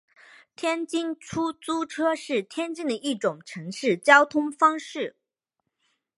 天津出租车是天津的一种城市交通方式。